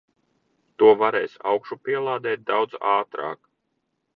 To varēs augšupielādēt daudz ātrāk.